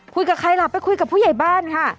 คุยกับใครล่ะไปคุยกับผู้ใหญ่บ้านค่ะ